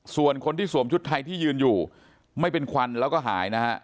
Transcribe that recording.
ส่วนคนที่สวมชุดไทยที่ยืนอยู่ไม่เป็นควันแล้วก็หายนะฮะ